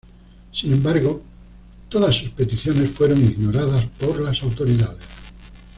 Sin embargo, todas sus peticiones fueron ignoradas por las autoridades.